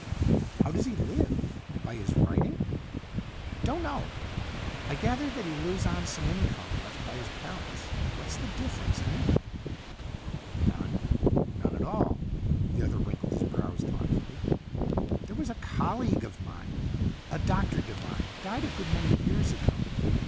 "How does he live? By his writing?" "Don't know. I gathered that he lives on some income left by his parents. What's the difference, anyway?" "None. None at all." The other wrinkled his brows thoughtfully. "There was a colleague of mine, a Dr. Devine; died a good many years ago.